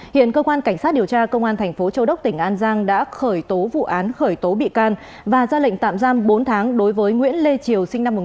hiện cơ quan cảnh sát điều tra công an thành phố châu đốc tỉnh an giang đã khởi tố vụ án khởi tố bị can và ra lệnh tạm giam bốn tháng đối với nguyễn lê triều sinh năm một nghìn chín trăm tám mươi tám